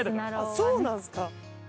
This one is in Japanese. そうなんですか！